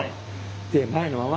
手前のまま。